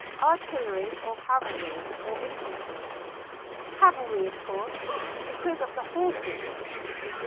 "Artillery, or cavalry, or infantry?" " Cavalry, of course, because of the horses."